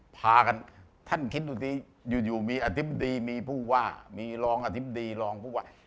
พากันท่านคิดดูสิอยู่มีอธิบดีมีผู้ว่ามีรองอธิบดีรองผู้ว่า